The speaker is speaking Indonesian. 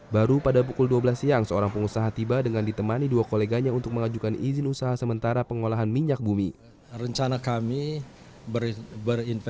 baru pada pukul dua belas siang seorang pengusaha tiba dengan ditemani dua koleganya untuk mengajukan izin usaha sementara pengolahan minyak bumi